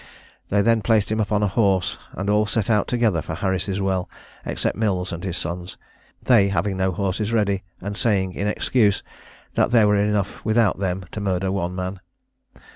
They then placed him upon a horse, and all set out together for Harris' well, except Mills and his sons, they having no horses ready, and saying, in excuse, "that there were enough without them to murder one man."